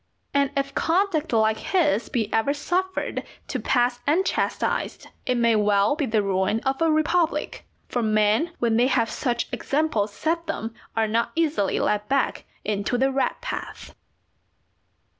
And if conduct like his be ever suffered to pass unchastised, it may well be the ruin of a republic, for men when they have such examples set them are not easily led back into the right path.